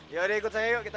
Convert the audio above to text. tapi tentu saja